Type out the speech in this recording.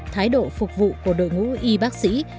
thái độ phục vụ của đội ngũ y bác sĩ